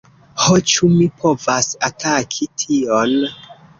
Ho, ĉu mi povas ataki tion?